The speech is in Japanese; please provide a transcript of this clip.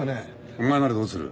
お前ならどうする？